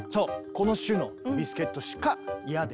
この種のビスケットしか嫌で。